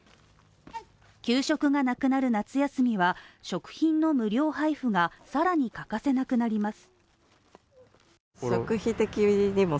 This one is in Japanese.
給食がなくなる夏休みは食品の無料配布が更に欠かせなくなります。